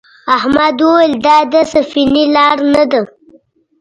احمد وویل دا د سفینې لار نه ده.